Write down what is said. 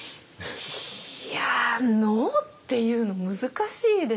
いや「ＮＯ」って言うの難しいですよね。